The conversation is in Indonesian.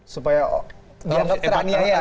supaya dia nge train aja